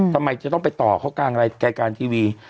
ทำไมจะต้องไปต่อเขากลางรายการทีวี